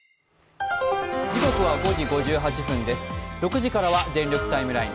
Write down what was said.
６時からは「全力ＴＩＭＥライン」。